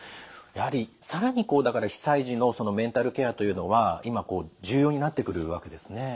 やはり更にこうだから被災時のメンタルケアというのは今こう重要になってくるわけですね。